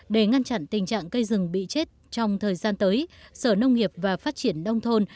để ngăn chặn tình trạng cây rừng bị chết trong thời gian tới sở nông nghiệp và phát triển đông thôn